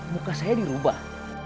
muka saya dirubah